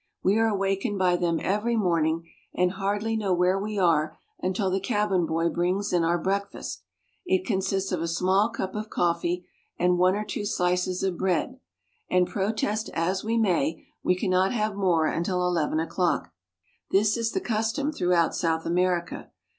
We are awakened by them every morning, and hardly know where we are until the cabin boy brings in our breakfast. It consists of a small cup of coffee and one or two slices of bread, and protest as we may, we cannot have more until eleven o'clock. This is the custom throughout South America.